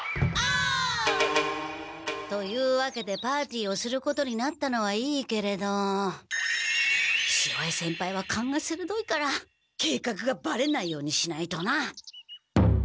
お！というわけでパーティーをすることになったのはいいけれど潮江先輩はかんがするどいから計画がバレないようにしないとな！